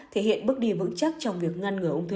thể hiện bước đi vững chắc trong việc ngăn ngừa ung thư